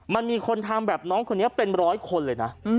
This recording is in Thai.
มันมีคนทำแบบน้องคนนี้เป็นร้อยคนเลยนะ